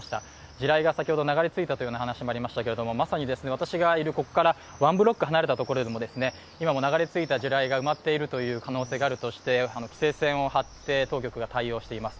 地雷は先ほど流れ着いたという話がありましたがまさに私がいるここから１ブロック離れた場所にも今も流れ着いた地雷が埋まっている可能性があるとして規制線を張って、当局は対応しています。